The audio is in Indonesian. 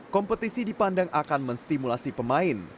kompetisi dipandang akan menstimulasi pemain